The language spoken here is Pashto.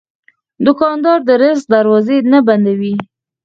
دوکاندار د رزق دروازې نه بندوي.